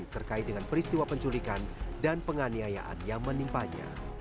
terkait dengan peristiwa penculikan dan penganiayaan yang menimpanya